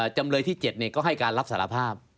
จำเลยที่๗ก็ให้การรับสารภาพ